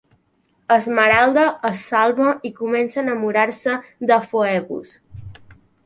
Esmeralda es salva i comença a enamorar-se de Phoebus.